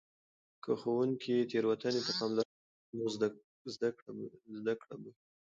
که ښوونکې تیروتنې ته پاملرنه وکړي، نو زده کړه به وي.